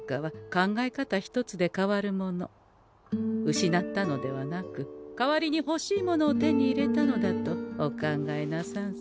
失ったのではなく代わりにほしいものを手に入れたのだとお考えなさんせ。